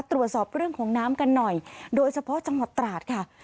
ตรวจสอบเรื่องของน้ำกันหน่อยโดยเฉพาะจังหวัดตราดค่ะ